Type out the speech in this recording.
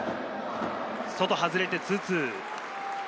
外、外れて２ー２。